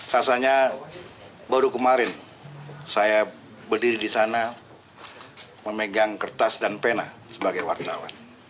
rasanya baru kemarin saya berdiri di sana memegang kertas dan pena sebagai wartawan